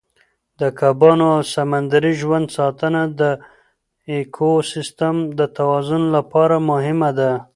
د کبانو او سمندري ژوند ساتنه د ایکوسیستم د توازن لپاره مهمه ده.